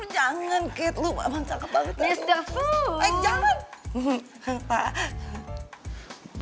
jangan kate lu memang cakep banget